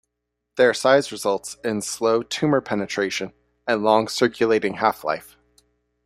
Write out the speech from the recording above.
Their size results in slow tumor penetration and long circulating half-life.